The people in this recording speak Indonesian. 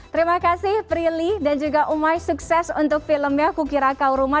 terima kasih prilly dan juga umai sukses untuk filmnya kukira kau rumah